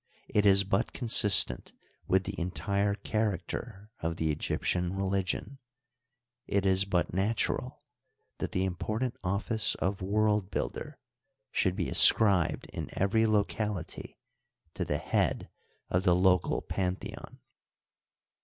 It is but consistent with the entire character of the Egyptian religion ; it is but natural that the important office of world builder should be ascribed in every locality to the head of the local pantheon.